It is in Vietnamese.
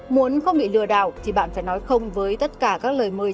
muốn không bị lừa đảo thì bạn phải nói không với tất cả các lời mời